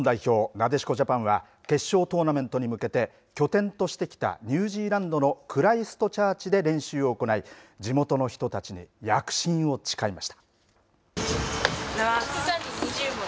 なでしこジャパンは決勝トーナメントに向けて拠点としてきたニュージーランドのクライストチャーチで練習を行い地元の人たちに躍進を誓いました。